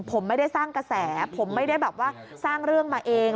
ผมไม่ได้สร้างกระแสผมไม่ได้แบบว่าสร้างเรื่องมาเอง